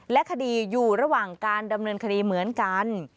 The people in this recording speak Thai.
และคดีอยู่ระหว่างการดำเนินคดีเหมือนกัน